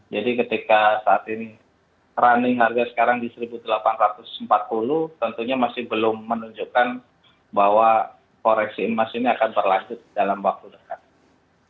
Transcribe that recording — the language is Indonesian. jadi ketika saat ini running harga sekarang di rp satu delapan ratus empat puluh tentunya masih belum menunjukkan bahwa koreksi emas ini akan berlanjut dalam waktu dekat